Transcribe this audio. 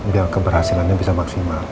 biar keberhasilannya bisa maksimal